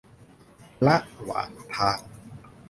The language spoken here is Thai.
ระหว่างทาง